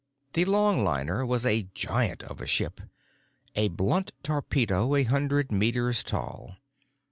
The longliner was a giant of a ship, a blunt torpedo a hundred meters tall.